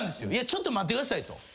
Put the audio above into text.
ちょっと待ってくださいと。